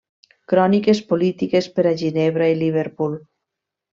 Cròniques polítiques per a Ginebra i Liverpool.